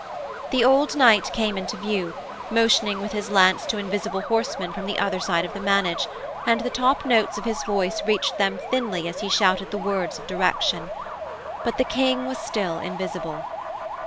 The old knight came into view, motioning with his lance to invisible horsemen from the other side of the manage, and the top notes of his voice reached them thinly as he shouted the words of direction. But the King was still invisible.